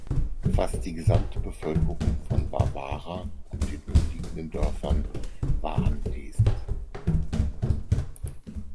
Fast die gesamte Bevölkerung von Warwara und den umliegenden Dörfern war anwesend.